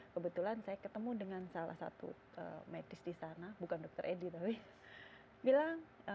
kebetulan saya ketemu dengan salah satu medis di sana bukan dokter edi tapi bilang